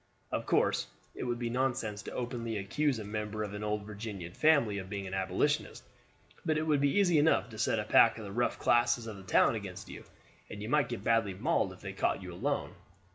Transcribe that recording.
Of course it would be nonsense to openly accuse a member of an old Virginian family of being an Abolitionist; but it would be easy enough to set a pack of the rough classes of the town against you, and you might get badly mauled if they caught you alone.